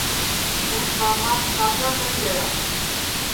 توں کاماپ کاکام نائی گیا